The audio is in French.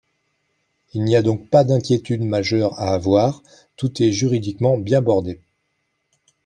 Il n’y a donc pas d’inquiétude majeure à avoir, tout est juridiquement bien bordé.